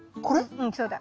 うんそうだ。